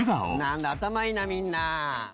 なんだ頭いいなみんな。